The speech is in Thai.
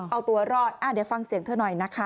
เอาตัวรอดเดี๋ยวฟังเสียงเธอหน่อยนะคะ